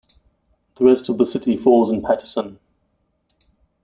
The rest of the city falls in Paterson.